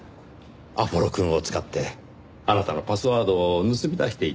アポロくんを使ってあなたのパスワードを盗み出していたんです。